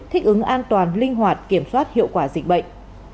thích ứng an toàn linh hoạt kiểm soát hiệu quả dịch bệnh